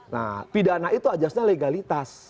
nah pidana itu ajasnya legalitas